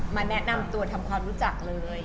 แนะนำตัวทำความรู้จักเลย